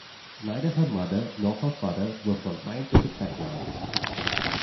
Neither her mother nor her father were from scientific backgrounds.